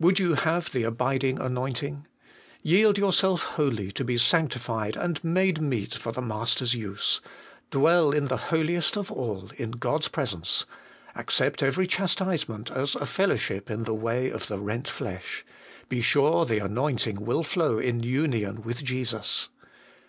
3. Would you have the abiding anointing? Yield yourself wholly to be sanctified and made meet for the Master's use: dwell in the Holiest of all, In 270 HOLY IN CHRIST. God's presence : accept every chastisement as a fellowship In the way of the rent flesh : be sure the anointing will flow In union with Jesus.